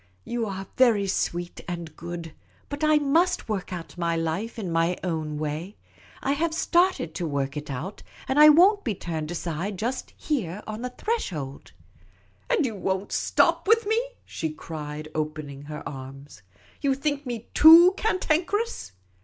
" You are very sweet and good, but I must work out my life in my own way. I have started to work it out, and I won't be turned aside just here on the threshold." " And you won't stop with me ?" she cried, opening her arms. " You think me too cantankerous?